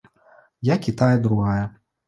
Як і тая другая.